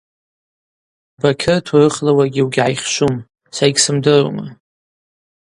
Бакьыр турыхла уаргьи угьгӏайхьшвум, са йгьсымдырума.